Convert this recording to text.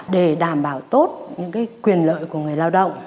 để đảm bảo tốt những quyền lợi của người lao động